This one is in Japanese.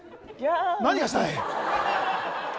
何がしたい？